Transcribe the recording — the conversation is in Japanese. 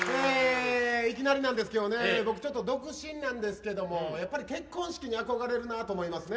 いきなりなんですけどね、僕、ちょっと独身なんですけども、やっぱり結婚式に憧れるなと思いますね。